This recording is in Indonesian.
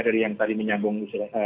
dari yang tadi menyambung